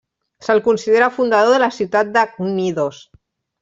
Se'l considera fundador de la ciutat de Cnidos.